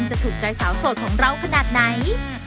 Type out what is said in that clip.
จะถูกใจสาวโสดของเราขนาดไหน